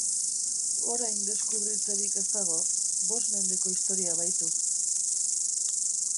Orain deskubritzerik ez dago, bost mendeko historia baitu.